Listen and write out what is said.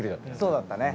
そうだったね。